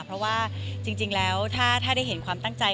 เพราะว่าจริงแล้วถ้าได้เห็นความตั้งใจ